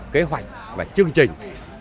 kế hoạch và chương trình